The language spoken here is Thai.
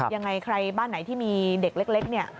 ยังไงใครบ้านไหนที่มีเด็กเล็กเนี่ย